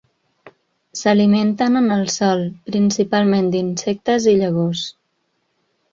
S'alimenten en el sòl, principalment d'insectes i llavors.